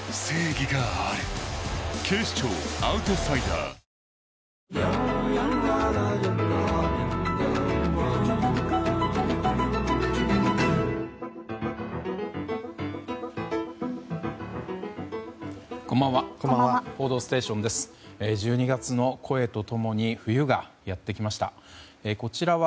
こんばんは。